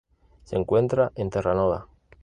Se encuentra en Terranova.